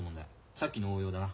さっきの応用だな。